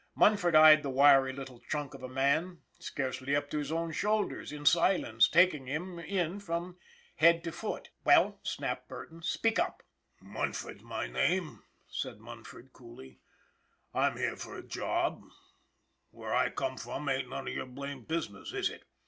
Munford eyed the wiry little chunk of a man, scarcely up to his own shoulders, in silence, taking him in from head to foot. "Well," snapped Burton, "speak up!" 326 ON THE IRON AT BIG CLOUD " Munford's my name," said Munford, coolly. " I'm here for a job. Where I come from ain't none of your blamed business, is it?